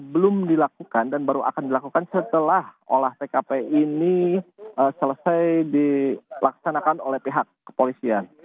belum dilakukan dan baru akan dilakukan setelah olah tkp ini selesai dilaksanakan oleh pihak kepolisian